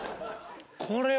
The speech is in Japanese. これは。